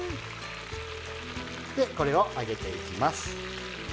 でこれを揚げていきます。